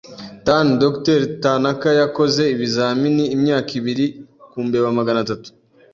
[Tan] Dr. Tanaka yakoze ibizamini imyaka ibiri ku mbeba magana atatu.